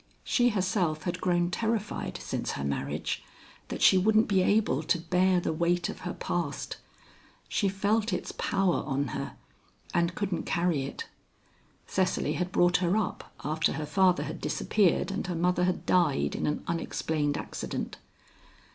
She herself had grown terrified, since her marriage, that she wouldn't be able to bear the weight of her past. She felt its power on her and couldn't carry it. Cecily had brought her up, after her father had disappeared and her mother had died in an unexplained accident.